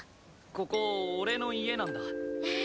ここ俺の家なんだ。え！